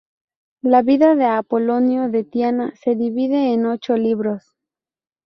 La vida de Apolonio de Tiana se divide en ocho libros.